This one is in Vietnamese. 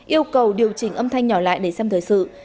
yêu cầu điều chỉnh âm thanh nhỏ lại để xem thời sự